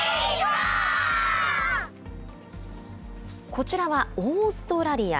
こちらはオーストラリア。